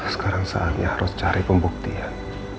sekarang saatnya harus cari pembuktian